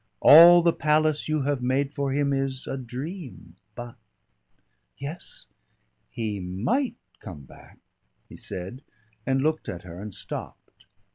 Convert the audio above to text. All the palace you have made for him is a dream. But " "Yes?" "He might come back " he said, and looked at her and stopped.